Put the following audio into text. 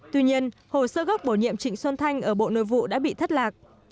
tuy nhiên hồ sơ gốc bổ nhiệm trịnh xuân thanh ở bộ nội vụ đã bị thất lạc